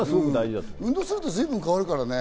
運動すると随分変わるからね。